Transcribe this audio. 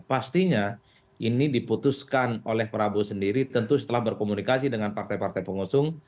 pastinya ini diputuskan oleh prabowo sendiri tentu setelah berkomunikasi dengan partai partai pengusung